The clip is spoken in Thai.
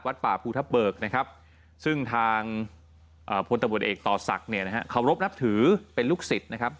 วัดป่าภูทับเบิกนะครับซึ่งทางพลตบเอกต่อศักดิ์ขอบรพนับถือเป็นลูกศิษย์นะครับ